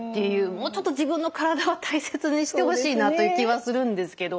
もうちょっと自分の体は大切にしてほしいなという気はするんですけど。